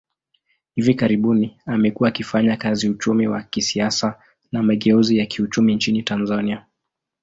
Hivi karibuni, amekuwa akifanya kazi uchumi wa kisiasa wa mageuzi ya kiuchumi nchini Tanzania.